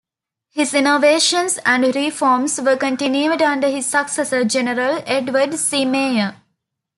His innovations and reforms were continued under his successor, General Edward C. Meyer.